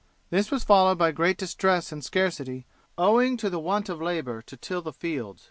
This was followed by great distress and scarcity owing to the want of labour to till the fields.